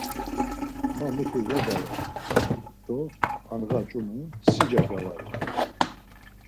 Ma mutu var gaver do handğa ç̌ume sica gavare ya.